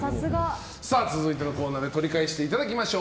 続いて、コーナーで取り返していただきましょう。